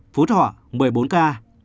phú thọ một mươi bốn ca